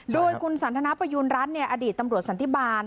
โดยคุณสันทนประยูณรัฐอดีตตำรวจสันติบาล